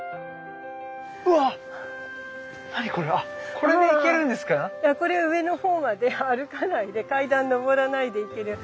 これ上の方まで歩かないで階段上らないで行ける